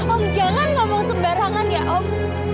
om jangan sembarangan ya om